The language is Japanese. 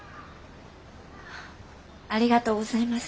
ありがとうございます。